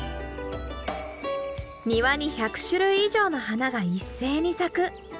庭に１００種類以上の花が一斉に咲く。